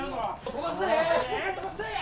飛ばすで！